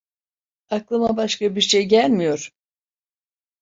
Aklıma başka bir şey gelmiyor.